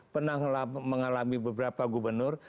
pernah mengalami beberapa gubernur